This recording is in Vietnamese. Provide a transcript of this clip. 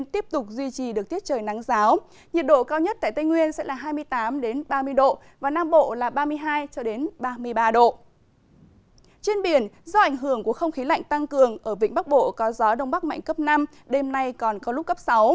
trên biển do ảnh hưởng của không khí lạnh tăng cường ở vĩnh bắc bộ có gió đông bắc mạnh cấp năm đêm nay còn có lúc cấp sáu